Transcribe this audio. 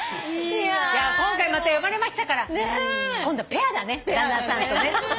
じゃあ今回また読まれましたから今度ペアだね旦那さんとね。